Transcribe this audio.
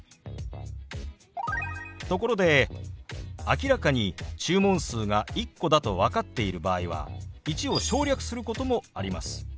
ところで明らかに注文数が１個だと分かっている場合は「１」を省略することもあります。